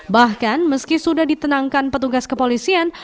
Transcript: bahkan meski sudah ditenangkan petugas kepolisian